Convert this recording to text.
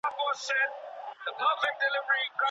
د لاس لیکنه د کشفیاتو د ساتلو وسیله ده.